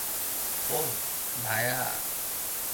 ওহ, ভায়া।